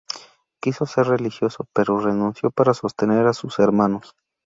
Quiso ser religioso, pero renunció para sostener a sus hermanos.